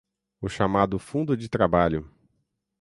O chamado fundo de trabalho